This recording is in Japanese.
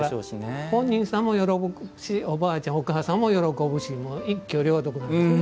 本人さんも喜ぶしおばあちゃんお母さんも喜ぶし一挙両得なんですね。